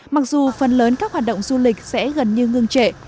mặc dù phần lớn các hoạt động du lịch sẽ gần như ngưng trệ